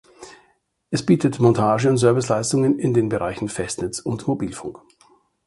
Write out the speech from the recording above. Es bietet Montage- und Serviceleistungen in den Bereichen Festnetz und Mobilfunk.